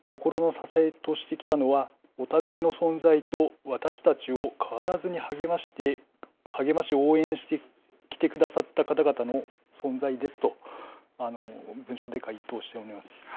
これまで心の支えとしてきたのは、お互いの存在と、私たちを変わらずに励まし、応援してきてくださった方々の存在ですと、文書で回答しております。